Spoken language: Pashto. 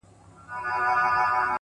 چي مي بایللی و- وه هغه کس ته ودرېدم -